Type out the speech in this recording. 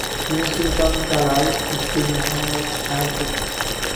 তিনি সুলতান জালালউদ্দিন মুহাম্মদ শাহর পুত্র।